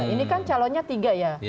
ini kan calonnya tiga ya